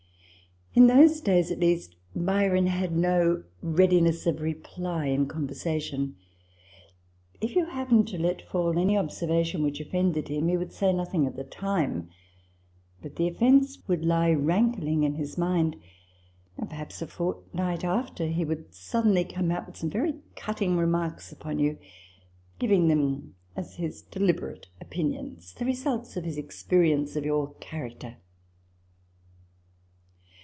In those days at least, Byron had no readiness of reply in conversation. If you happened to let fall any observation which offended him, he would say nothing at the time ; but the offence would lie rank ling in his mind ; and perhaps a fortnight after he would suddenly come out with some very cutting remarks upon you, giving them as his deliberate opinions, the results of his experience of your character.